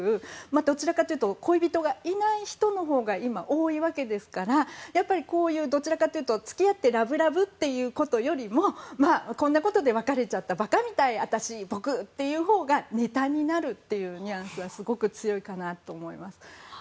どちらかというと恋人がいない人のほうが今、多いわけですからこういう、どちらかというと付き合ってラブラブということよりもこんなことで別れちゃった馬鹿みたい、私、僕というほうがネタになるというニュアンスはすごく強いかなと思います。